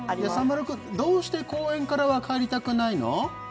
丸くんどうして公園からは帰りたくないの？